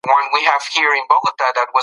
مېلمانه به کله رخصت شي؟